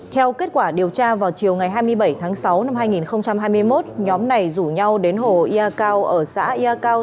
theo kết quả điều tra vào chiều ngày hai mươi bảy tháng sáu năm hai nghìn hai mươi một nhóm này rủ nhau đến hồ ia cao ở xã yatio